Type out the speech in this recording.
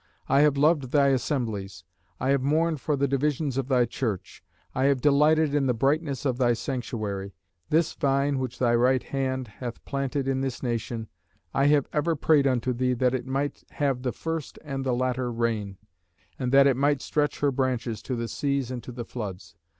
I have loved thy assemblies, I have mourned for the divisions of thy Church, I have delighted in the brightness of thy sanctuary. This vine which thy right hand hath planted in this nation, I have ever prayed unto thee that it might have the first and the latter rain; and that it might stretch her branches to the seas and to the floods.